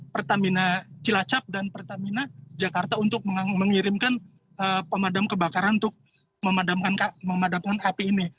pertamina cilacap dan pertamina jakarta untuk mengirimkan pemadam kebakaran untuk memadamkan api ini